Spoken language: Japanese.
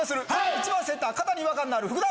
１番センター肩に違和感のある福田！